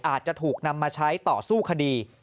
อาจจะถูกนำมาใช้ต่อสู้คดี